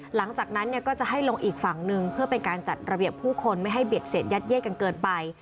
หลังจากนั้นก็จะให้ลงอีกฝั่งหนึ่งเพื่อเป็นการจัดระเบียบผู้คนไม่ให้เบียดเสียดยัดเย่กันเกินไป